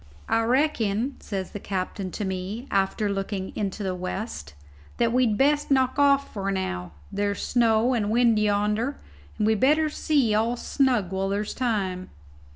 "I reckon," says the captain to me, after looking into the west, "that we'd best knock off now. There's snow and wind yonder, and we'd better see all snug while there's time."